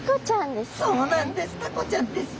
タコちゃんですね！